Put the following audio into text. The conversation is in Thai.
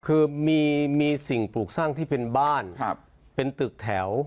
คือมีสิ่งปลูกสร้างที่เป็นบ้านเป็นตึกแถว